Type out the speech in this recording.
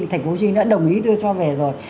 tp hcm đã đồng ý đưa cho về rồi